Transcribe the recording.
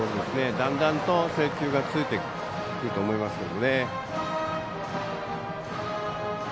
だんだんと、制球がついてくると思いますけどね。